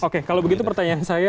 oke kalau begitu pertanyaan saya